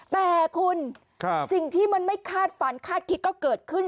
แต่คุณสิ่งที่มันไม่คาดฝันคาดคิดก็เกิดขึ้น